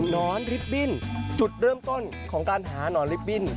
นอนริบบิ้นจุดเริ่มต้นของการหานอนลิฟตบิ้น